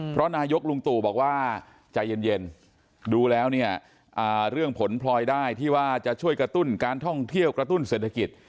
เพราะนายกลุงตู่บอกว่าใจเย็นดูแล้วเนี่ยเรื่องผลพลอยได้ที่ว่าจะช่วยกระตุ้นการท่องเที่ยวกระตุ้นเศรษฐกิจ